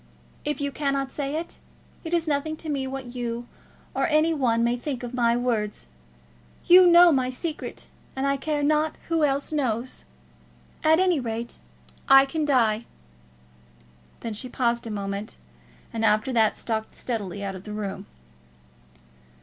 If you cannot say it, it is nothing to me what you or any one may think of my words. You know my secret, and I care not who else knows it. At any rate, I can die!" Then she paused a moment, and after that stalked steadily out of the room.